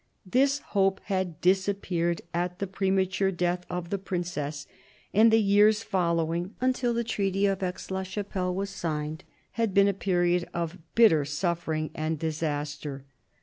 This hope had disappeared at the premature death of the princess ; and the years following, until the Treaty of Aix la Chapelle was signed, had been a period of bitter suffering and disaster.